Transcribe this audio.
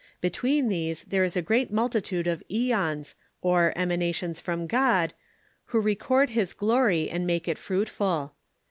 Between these there is a great multitude of oeons, or emanations from God, who record his glory and make it fruitful.